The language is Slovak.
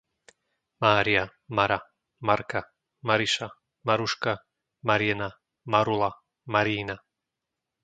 Mária, Mara, Marka, Mariša, Maruška, Mariena, Marula, Marína